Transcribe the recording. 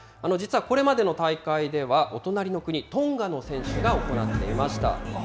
実はこれまでの大会ではお隣の国、トンガの選手が行っていました。